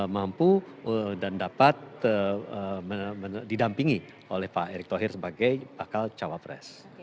mampu dan dapat didampingi oleh pak erick thohir sebagai bakal cawapres